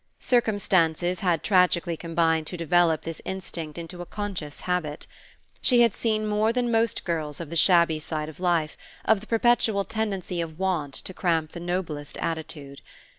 Circumstances had tragically combined to develop this instinct into a conscious habit. She had seen more than most girls of the shabby side of life, of the perpetual tendency of want to cramp the noblest attitude.